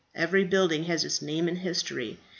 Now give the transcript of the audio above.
Every building has its name and history.